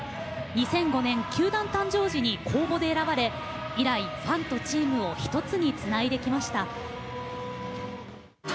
２００５年球団誕生時に公募で選ばれ以来、ファンとチームを一つにつないできました。